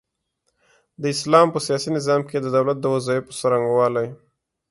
د اسلام په سياسي نظام کي د دولت د وظايفو څرنګوالۍ